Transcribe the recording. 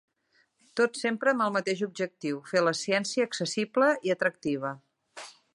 Tot sempre amb el mateix objectiu: fer la ciència accessible i atractiva.